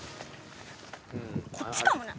こっちかもな？